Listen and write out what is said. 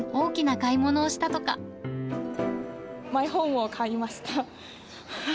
マイホームを買いました。